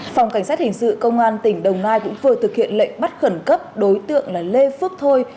phòng cảnh sát hình sự công an tỉnh đồng nai cũng vừa thực hiện lệnh bắt khẩn cấp đối tượng là lê phước thôi